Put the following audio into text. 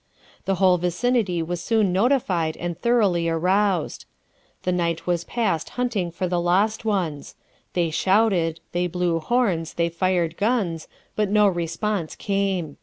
The whole vicinity was soon notified and thoroughly aroused. The night was passed hunting for the lost ones; they shouted, they blew horns, they fired guns, but no response came.